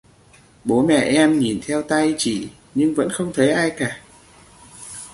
Bố mẹ em nhìn theo tay chỉ nhưng vẫn không thấy ai cả